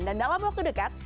dan dalam waktu dekat